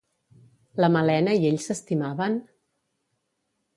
La Malena i ell s'estimaven?